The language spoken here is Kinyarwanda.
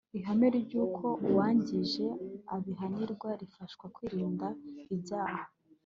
ihame ry’uko uwangije abihanirwa rifasha kwirinda ibyaha.